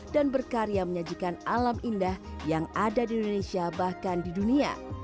dan berkarya menyajikan alam indah yang ada di indonesia bahkan di dunia